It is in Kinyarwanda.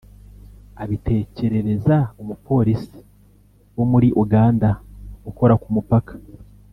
abitekerereza umupolisi wo muri Uganda ukora ku mupaka